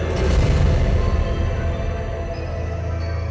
berhenti dimasukkan sisa reperima kasihnya